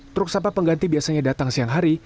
truk sampah pengganti biasanya datang siang hari